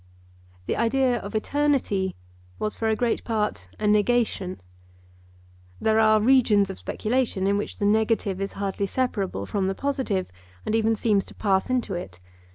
The idea of eternity was for a great part a negation. There are regions of speculation in which the negative is hardly separable from the positive, and even seems to pass into it.